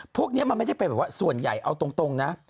พวกนี้มันไม่ได้เป็นแบบว่าส่วนใหญ่เอาตรงนะ